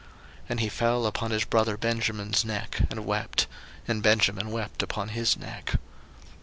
01:045:014 And he fell upon his brother Benjamin's neck, and wept; and Benjamin wept upon his neck.